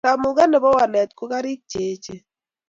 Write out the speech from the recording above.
Kamuket nebo walet ko karik che echen